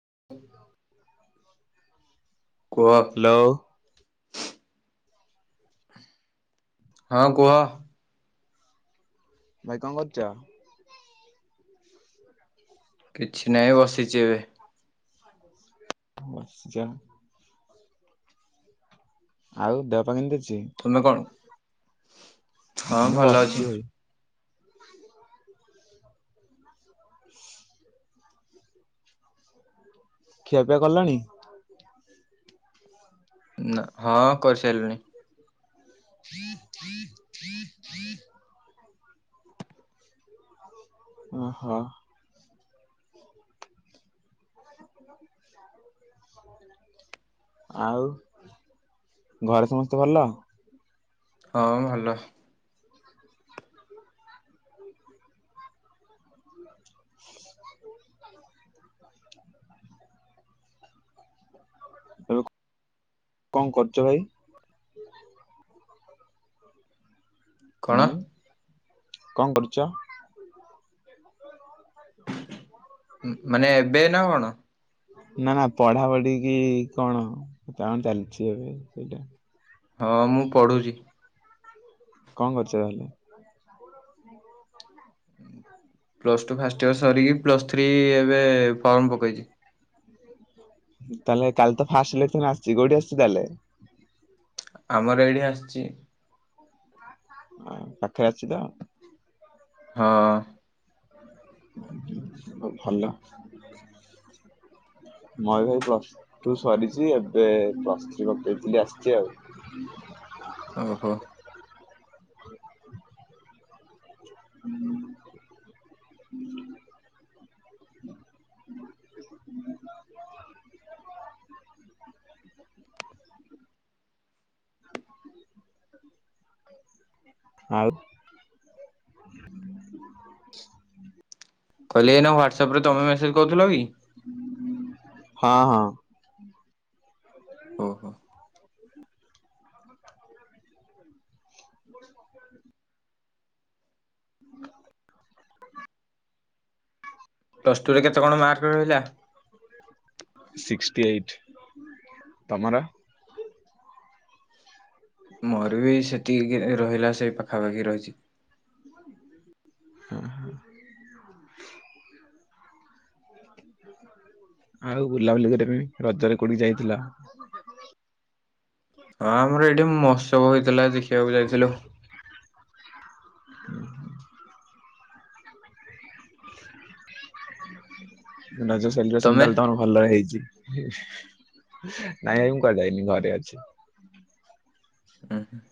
[inaudible] କୁହ ହ୍ୟାଲୋ ହଁ କୁହ ଭାଇ କଣ କରୁଚ? କିଛି ନାହିଁ ବସିଛି ଏବେ। ବସିଚ। ଆଉ ଦେହପା କେମିତି ଅଛି? ତୁମେ କଣ ହଁ ମୁଁ ଭଲ ବସିଛି ଅଛି। ଭାଇ। [inaudible] ଖିଆପିଆ କଲଣୀ। ନା ହଁ କରିସାରିଲୁଣି। [inaudible] ଓହୋ। [inaudible] ଆଉ ଘରେ ସମସ୍ତେ ଭଲ। ହଁ ଭଲ। [inaudible] କଣ କରୁଚ ଭାଇ? କଣ? ହୁଁ କଣ କରୁଚ? ମାନେ ଏବେ ନା କଣ? ନା ନା ପଢାପଢି କିି କଣ କଣ ଚାଲିଛି ଏବେ ସେଇଟା। ହଁ ମୁଁ ପଢ଼ୁଚି। କଣ କରୁଚ ତାହେଲେ? ପ୍ଲସ୍ ଟୁ ଫାଷ୍ଟ ଇୟର୍ ସରିକି ପ୍ଲସ୍ ଥ୍ରୀ ଏବେ ଫର୍ମ ପକେଇଛି। ତାହେଲେ କାଲି ତ ଫାଷ୍ଟ ସିଲେକ୍ସନ୍ ଆସିଛି କୋଉଠି ଆସିଛି ତାହେଲେ? ଆମର ଏଇଠି ଆସିଛି। ଆ ପାଖେ ଅସିଛି ତ। ହଁ। ହୋଊ ଭଲ। ମୋର ଭାଇ ପ୍ଲସ୍ ଟୁ ସରିଛି ଏବେ ପ୍ଲସ୍ ଥ୍ରୀ ପକେଇଥିଲି ଆସିଛି ଆଉ। ଓହୋ। ହୁଁ। ଆଉ। [inaudible] କଲି ଏଇନା ହ୍ୱାଟସଆପ ରେ ତମେ ମେସେଜ କରୁଥିଲ କି? ହଁ ହଁ। ହୋଉ। [inaudible] ପ୍ଲସ୍ ଟୁରେ କେତେ କଣ ମାର୍କ ରହିଲା? ସିକ୍ସଟି ଏଇଟ୍ ତମର। ମୋର ବି ସେତିକି ରହିଲା ସେଇ ପାଖାପାଖି ରହିଛି। ହଁ। ଆଉ ବୁଲାବୁଲି କରିବା ପାଇଁ ରଜରେ କୋଉଠିକି ଯାଇଥିଲ? ହଁ ଆମର ଏଇଠି ମହୋତ୍ସବ ହେଇଥିଲା ଦେଖିବାକୁ ଯାଇଥିଲୁ। [inaudible] ରଜ ସେଲିବ୍ରେସନ୍ ତାଏଲେ ତମେ? ତମର ଭଲ ହେଇଚି ନାଇଁ ଏ ମୁଁ କୁଆଡ଼େ ଯାଇନି ଘରେ ଅଛି। ଉଁ ହୁଁ।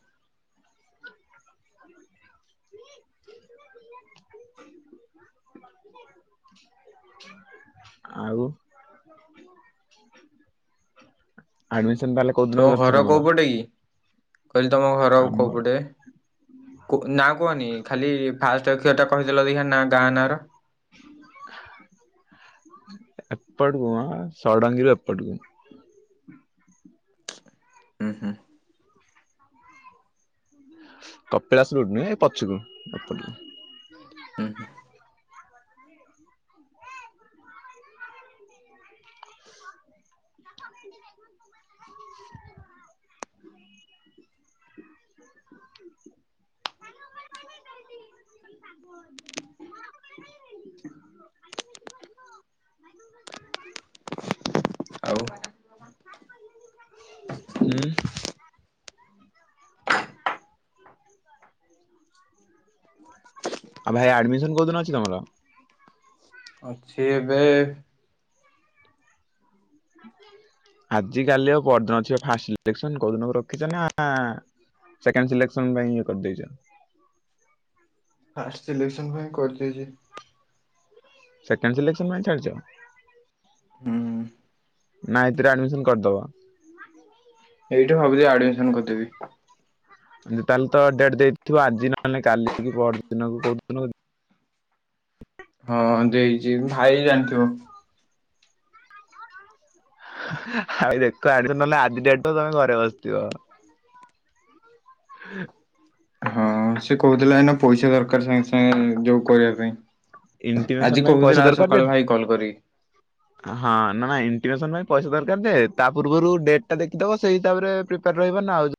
ଆଉ। ଆଡମିସନ ତାହେଲେ କୋଉଦିନ ତମ ଅଛି ଘର ତମର? କୋଉ ପଟେ କି କହିଲି ତମ ଘର କୋଉ ଆମର ପଟେ। ନାଁ କୁହନି ଖାଲି ଫାଷ୍ଟ ଅକ୍ଷରଟା କହିଦେଲ ଦେଖିଆ ଗାଁ ନାଁ ର। ଏପଡୁଅଁ ଷଡ଼ଙ୍ଗୀରୁ ଏପଟୁକୁ। ହୁଁ ହୁଁ। କପିଳାସ ରୁଟ ନୁହେଁ ଏ ପଛୁକୁ ଏପଟୁକୁ। ହୁଁ ହୁଁ। ଆଉ ହୁଁ। ଆଉ ଭାଇ ଆଡମିଶନ କୋଉଦିନ ଅଛି ତମର? ଅଛି ଏବେ ଆଜି କାଲି ଆଉ ପରଦିନ ଅଛି ପା ଫାଷ୍ଟସିଲେକ୍ସନ କୋଉଦିନକୁ ରଖିଚ ନା ସେକେଣ୍ଡ ସିଲେକ୍ସନ ପାଇଁ ଇଏ କରିଦେଇଚ? ଫାଷ୍ଟ ସିଲେକ୍ସନ ପାଇଁ କରିଦେଇଚି। ସେକେଣ୍ଡ ସିଲେକ୍ସନ ପାଇଁ ଛାଡିଚ? ହୁଁ ନାଇଁ ଏତିରେ ଆଡମିସନ କରିଦବ? ହ ଏଇଠି ଭାବୁଚି ଆଡମିସନ କରିଦେବି। ତାହେଲେ ତ ଡେଟ ଦେଇଥିବ ଆଜି ନହେଲେ କାଲିିକି ପରଦିନକୁ କୋଉଦିନକୁ ହଁ ଦେଇଚି ଭାଇ ଜାଣିଥିବ। ହାଇ ଦେଖ [unintelligible] ନହେଲେ ଆଜି ଡେଟ ଥିବ ତମେ ଘରେ ବସିଥିବ। ହଁ ହଁ ସେ କଉଥିଲା ଏଇନା ପଇସା ଦରକାର ସାଙ୍ଗେ ସାଙ୍ଗେ ଯୋଉ କରିବା ପାଇଁ। ଇଣ୍ଟିମେସନ ଆଜି କହୁଥିଲା ଆଜିସକାଳୁ ଭାଇ କଲ୍ କରିକି। ହ ହଁ ନା ନାଇଁ ଇଣ୍ଟିମେସନ ପାଇଁ ପଇସା ଦରକାର ଯେ ତା ପୂର୍ବରୁ ଡେଟ୍ ଟା ଦେଖିଦବ ସେଇ ହିସାବରେ ପ୍ରିପେୟାର ରଇବ ନା ଆଉ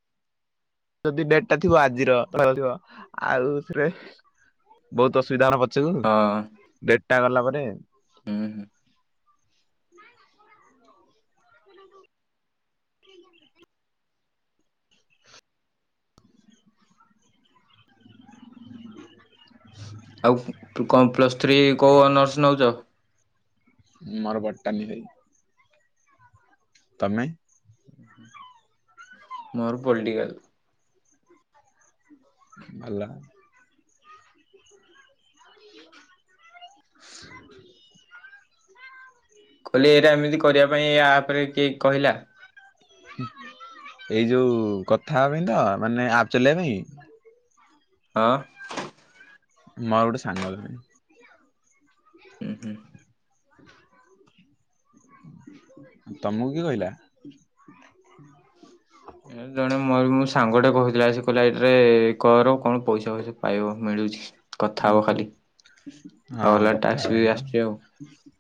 ଯଦି ଡେଟ ଟା ଥିବ ଆଜିର ଆଉ [unintelligible] ବହୁତୁ ଅସୁବିଧା ହବ। ଚୁଗୁ ହଁ ଡେଟଟା ଗଲା ପରେ। ହୁଁ ହୁଁ। ଆଉ କଣ ପ୍ଲସ୍ ଥ୍ରୀ କୋଉ ଅନର୍ସ ନୋଉଚ? ମୋର ବଟାନି ଭାଇ। ତମେ? ମୋର ପଲଟିକାଲ୍। ଭଲ। କଇଲି ଏରା ଏମିତି କରିବା ପାଇଁ ଆପରେ କିଏ କହିଲା? ଏଇ ଯୋଉ କଥା ହବା ପାଇଁ ତ ମାନେ ଆପ ଚଲେଇବା ପାଇଁ? ହଁ। ମୋ ଗୋଟେ ସାଙ୍ଗ ଜଣେ। ହୁଁ ହୁଁ। ହ ତମୁକୁ କିଏ କଇଲା? ଏ ଜଣେ ମୋର ମୁ ସାଙ୍ଗଟେ କହୁଥିଲା ସିଏ କହିଲା ଏଇଟାରେ କର କଣ ପଇସା ଫଇସା ପାଇବ ମିଳୁଛି। କଥା ହୁଁ ହବ ଖାଲି ହୁଁ ହଁ ଆଉ ଅଲଗା କଥା ଟାସ୍କ ହେବା ବି ପାଇଁ ତ। ଆସୁଛି ଆଉ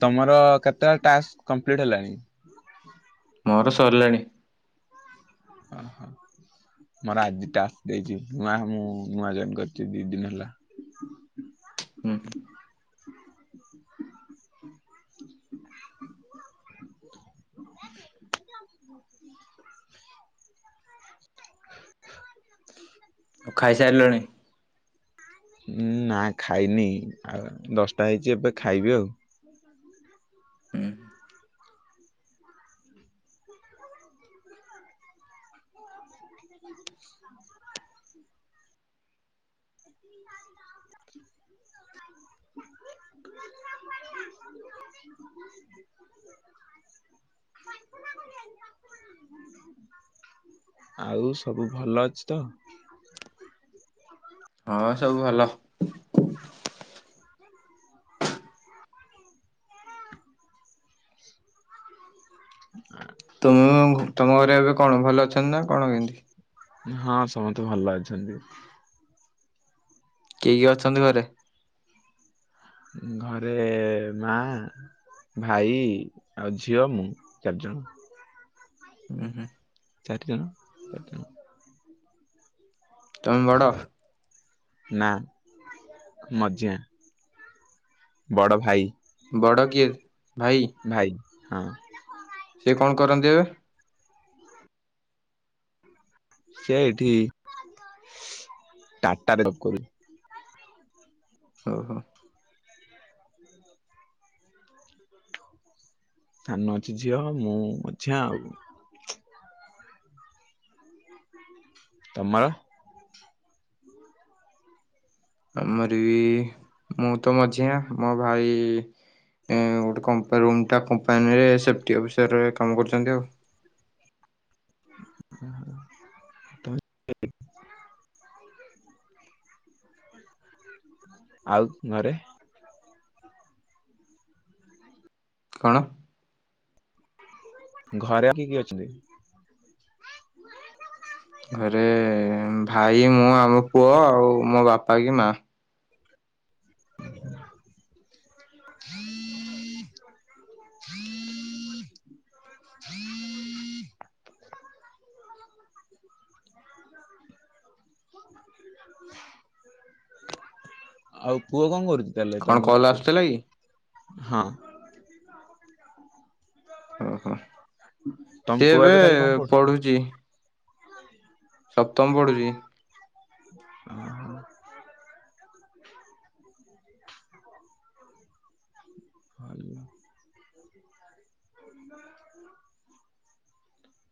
ତମର କେତେଟା ଟାକ୍ସ କମ୍ପ୍ଲିଟ ହେଲାଣି? ମୋର ସରିଲାଣି। ଓହୋ ମୋର ଆଜି ଟାସ୍ ଦେଇଚି ନା ମୁଁ ନୂଆ ଜଏନ୍ କରିଚି ଦି ଦିନ ହେଲା। ହୁଁ [unintelligible] ଆଉ ଖାଇସାରିଲଣି? ନା ଖାଇନି ଆଉ ଦଶଟା ହେଇଚି ଏବେ ଖାଇବି ଆଉ। ହୁଁ [unintelligible] ଆଉ ସବୁ ଭଲ ଅଛି ତ ହଁ ସବୁ ଭଲ [unintelligible] ହ ତୁମ ତମ ଘରେ ଏବେ କଣ ଭଲ ଅଛନ୍ତି ନା କଣ କେମତି? ହଁ ସମସ୍ତେ ଭଲ ଅଛନ୍ତି। କିଏ କିଏ ଅଛନ୍ତି ଘରେ? ଘରେ ମା ଭାଇ ଆଉ ଝିଅ ମୁଁ ଚାରଜଣ ହୁଁ ହୁଁ। ଚାରିଜଣ। ତମେ ବଡ଼? ନା ମଝିଆଁ ବଡ଼ ଭାଇ ବଡ଼ କିଏ ଭାଇ? ଭାଇ ହଁ। ସେ କଣ କରନ୍ତି ଏବେ? ସେ ଏଠି ଟାଟାରେ [inaudible] ଓହୋ ହୋ। ସାନ ଅଛି ଝିଅ ମୁଁ ମଝିଆ ଆଉ ତମର? ଆମର ବି ମୁଁ ତ ମଝିଆ ମୋ ଭାଇ ଏ ଗୋଟେ କ ରୁମ୍ଟା କମ୍ପାନୀରେ ସେଫ୍ଟି ଅଫିସରରେ କାମ କରୁଛନ୍ତି ଆଉ [unintelligible] ଆଉ ଘରେ? କଣ? ଘରେ ଆଉ କିଏ କିଏ ଅଛନ୍ତି? ଘରେ ଭାଇ ମୁଁ ଆମ ପୁଅ ଆଉ ମୋ ବାପା କି ମା। ହୁଁ [unintelligible] ଆଉ ପୁଅ କଣ କରୁଚି? କଣ କଲ ଆସୁଥିଲା କି? ହଁ। ଓହୋ ତମ ସିଏ ପୁଅ ଏବେ ତାହେଲେ କଣ ପଢୁଛି। ସପ୍ତମ ପଢୁଛି। ଓ ହ [unintelligible] ହଲ [unintelligible] ହ [unintelligible]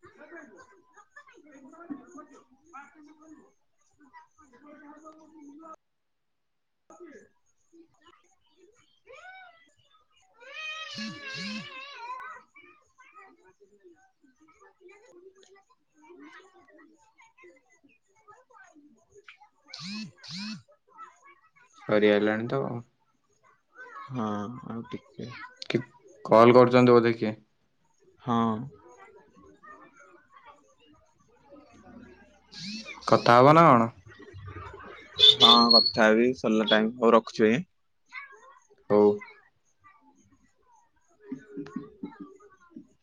[unintelligible] [unintelligible] ହୁଁ ହୁଁ [unintelligible] ସରି ଆଇଲାଣି ତ ହଁ ଆଉ ଟିକେ କିଏ କଲ୍ କରୁଛନ୍ତି ବୋଧେ କିଏ? ହଁ। କଥା ହେବ ନା କଣ? ହଁ କଥା ହେବି ସରିଲା ଟାଇମ ହଉ ରଖୁଛି ଭାଇ। ହଉ। [inaudible]